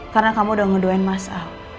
karena kamu udah ngeduain mas al